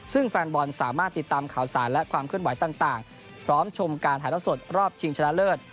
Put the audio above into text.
ซึ่งแฟนบอลสามารถติดตามข่าวสารและความเคลื่อนไหวต่างพร้อมชมการถ่ายละสดรอบชิงชนะเลิศ